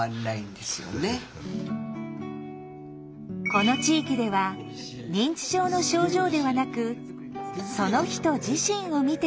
この地域では「認知症の症状」ではなく「その人」自身を見ているといいます。